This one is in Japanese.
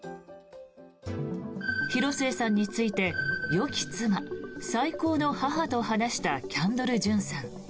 広末さんについてよき妻、最高の母と話したキャンドル・ジュンさん。